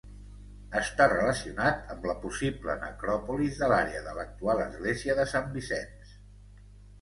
Està relacionat amb la possible necròpolis de l'àrea de l'actual església de Sant Vicenç.